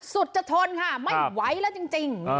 สุดจะทนค่ะไม่ไหวแล้วจริง